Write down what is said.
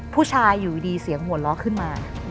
ผู้ชายอยู่ดีเสียงหัวเราะขึ้นมา